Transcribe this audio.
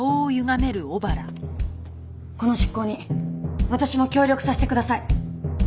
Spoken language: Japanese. この執行に私も協力させてください。